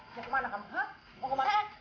cepat bang cepat